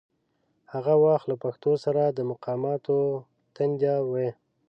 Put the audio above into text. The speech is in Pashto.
هغه وخت له پښتو سره د مقاماتو تندي و.